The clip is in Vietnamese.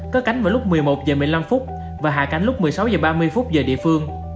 cất cánh vào lúc một mươi một h một mươi năm và hạ cánh lúc một mươi sáu h ba mươi giờ địa phương